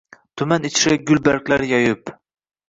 Tuman ichra gulbarglar yoyib